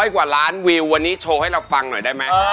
กว่าล้านวิววันนี้โชว์ให้เราฟังหน่อยได้ไหม